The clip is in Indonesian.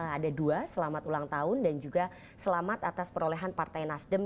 ada dua selamat ulang tahun dan juga selamat atas perolehan partai nasdem